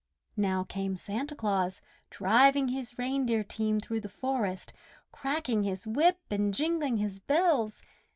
Now came Santa Claus, driving his reindeer team through the forest, cracking his whip and jingling his bells.